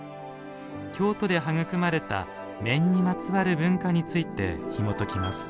京都で育まれた「面」にまつわる文化についてひもときます。